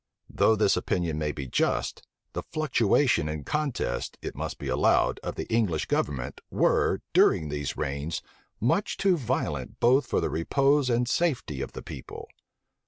Though this opinion may be just, the fluctuation and contest, it must be allowed, of the English government, were, during these reigns, much too violent both for the repose and safety of the people.